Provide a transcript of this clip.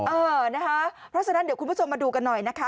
เออนะคะเพราะฉะนั้นเดี๋ยวคุณผู้ชมมาดูกันหน่อยนะคะ